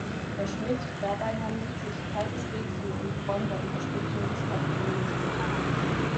Herr Schmidt, dabei handelt es sich keineswegs um eine Form der Unterstützung des Alkoholismus.